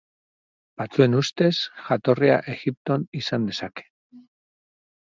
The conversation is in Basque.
Batzuen ustez, jatorria Egipton izan dezake.